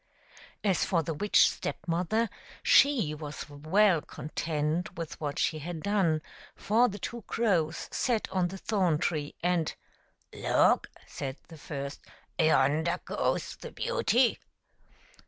As for the witch Step mother, she was well content with what she had done, for the two crows sat on the thorn tree. And —" Look," said the first, " yonder goes the beauty."